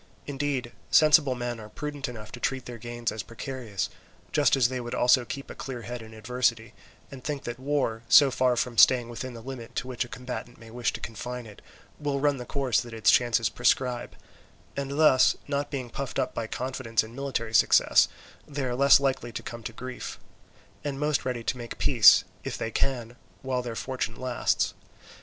Indeed sensible men are prudent enough to treat their gains as precarious, just as they would also keep a clear head in adversity, and think that war, so far from staying within the limit to which a combatant may wish to confine it, will run the course that its chances prescribe; and thus, not being puffed up by confidence in military success, they are less likely to come to grief, and most ready to make peace, if they can, while their fortune lasts.